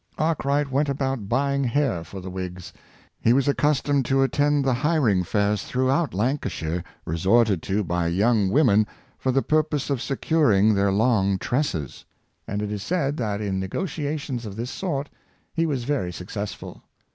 Arkwright went about buy ing hair for the wigs. He was accustomed to attend the hiring fairs throughout Lancashire resorted to by young women, for the purpose of securing their long tresses; and it is said that in negotiations of this sort he was very successful.